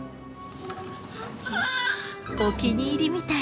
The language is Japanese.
お気に入りみたい。